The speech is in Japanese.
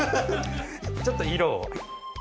ちょっと色を。